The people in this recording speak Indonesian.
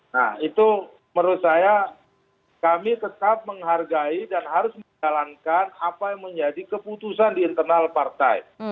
nah itu menurut saya kami tetap menghargai dan harus menjalankan apa yang menjadi keputusan di internal partai